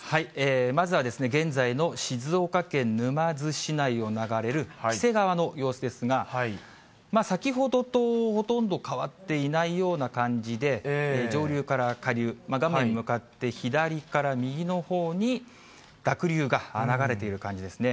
まずは、現在の静岡県沼津市内を流れる黄瀬川の様子ですが、先ほどとほとんど変わっていないような感じで、上流から下流、画面に向かって左から右のほうに、濁流が流れている感じですね。